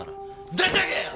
出てけよ！